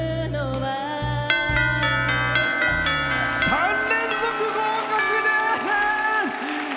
３連続合格です！